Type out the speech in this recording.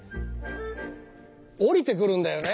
降りてくるんだよね！